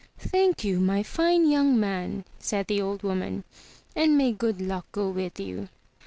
"Thank you, my fine young man," said the old woman, "and may good luck go with you!